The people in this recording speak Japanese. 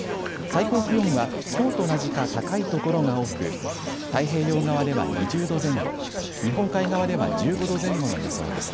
最高気温はきょうと同じか高い所が多く太平洋側では２０度前後、日本海側では１５度前後の予想です。